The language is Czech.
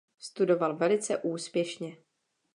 Studoval velice úspěšně.